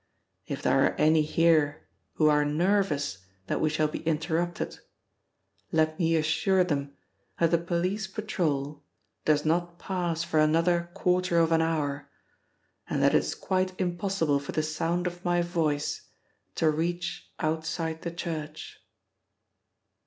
If there are any here who are nervous that we shall be interrupted, let me assure them that the police patrol does not pass for another quarter of an hour, and that it is quite impossible for the sound of my voice to reach outside the church."